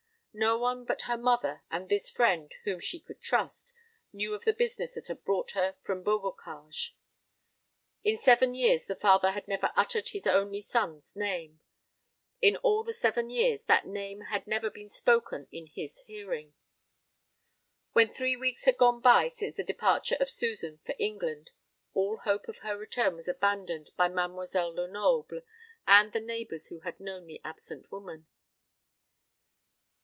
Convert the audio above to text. No one but her mother and this friend, whom she could trust, knew of the business that had brought her from Beaubocage. In seven years the father had never uttered his only son's name; in all the seven years that name had never been spoken in his hearing. When three weeks had gone by since the departure of Susan for England, all hope of her return was abandoned by Mademoiselle Lenoble and the neighbours who had known the absent woman.